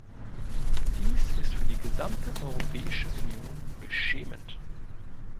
Dies ist für die gesamte Europäische Union beschämend!